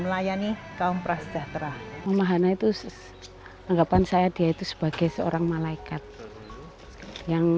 melayani kaum prasejahtera mamahana itu anggapan saya dia itu sebagai seorang malaikat yang